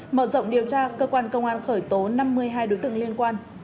mở rộng điều tra cơ quan công an khởi tố năm mươi hai đối tượng liên quan